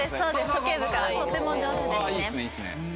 そけい部からとっても上手ですね。